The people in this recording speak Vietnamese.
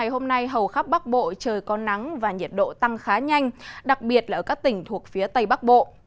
hôm nay hầu khắp bắc bộ trời có nắng và nhiệt độ tăng khá nhanh đặc biệt là ở các tỉnh thuộc phía tây bắc bộ